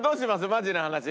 マジな話。